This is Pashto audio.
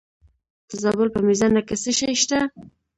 د زابل په میزانه کې څه شی شته؟